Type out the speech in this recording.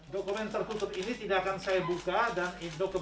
dokumen terkutuk ini tidak akan saya buka